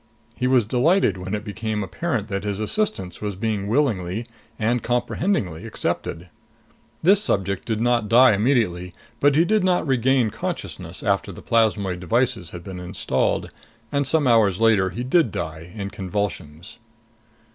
He was delighted when it became apparent that his assistance was being willingly and comprehendingly accepted. This subject did not die immediately. But he did not regain consciousness after the plasmoid devices had been installed; and some hours later he did die, in convulsions.